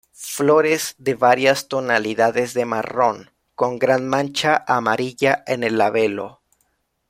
Flores de varias tonalidades de marrón con gran mancha amarilla en el labelo.